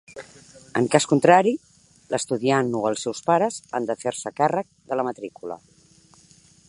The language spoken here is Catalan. En cas contrari, l'estudiant o els seus pares han de fer-se càrrec de la matrícula.